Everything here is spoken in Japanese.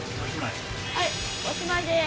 はいおしまいです。